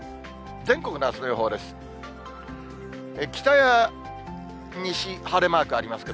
全国のあすの予報です。